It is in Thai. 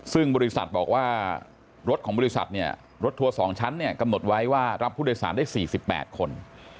ซึ่งบริษัทบอกว่ารถของบริษัทเนี่ยรถทัวร์๒ชั้นเนี่ยกำหนดไว้ว่ารับผู้โดยสารได้๔๘คน